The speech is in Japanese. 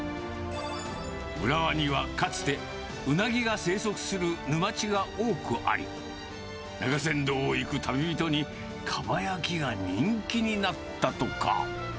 浦和にはかつて、ウナギが生息する沼地が多くあり、中山道を行く旅人に、かば焼きが人気になったとか。